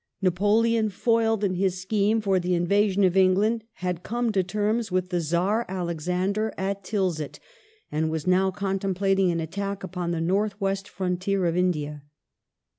Napoleon, foiled in his scheme for the invasion of England, had come to terms with the Czar Alexander at Tilsit and W6is now contemplating an attack upon the North West Frontier of India.